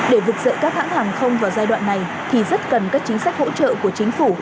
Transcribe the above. để vực dậy các hãng hàng không vào giai đoạn này thì rất cần các chính sách hỗ trợ của chính phủ